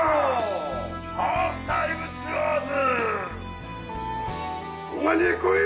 『ハーフタイムツアーズ』！